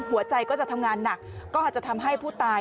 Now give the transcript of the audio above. หัวใจก็จะทำงานหนักก็อาจจะทำให้ผู้ตาย